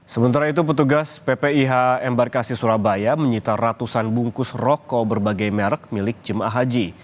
sementara itu petugas ppih embarkasi surabaya menyita ratusan bungkus rokok berbagai merek milik jemaah haji